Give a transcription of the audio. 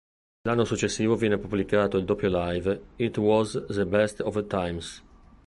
L'anno successivo viene pubblicato il doppio "live" "It Was the Best of Times".